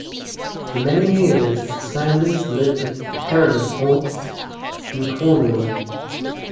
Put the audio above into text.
For many years Sanders lived at Perranporth in Cornwall.